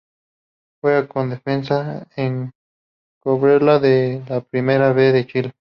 Juega como Defensa en Cobreloa de la Primera B de Chile.